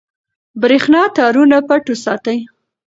برېښنا تارونه پټ وساتئ.